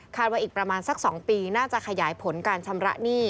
ว่าอีกประมาณสัก๒ปีน่าจะขยายผลการชำระหนี้